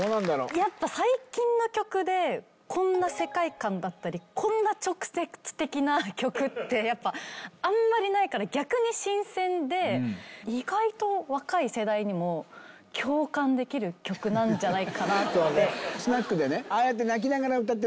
やっぱ最近の曲でこんな世界観だったりこんな直接的な曲ってやっぱあんまりないから逆に新鮮で意外と若い世代にも共感できる曲なんじゃないかなって。